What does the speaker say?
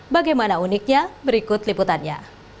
bagaimana uniknya berikut liputannya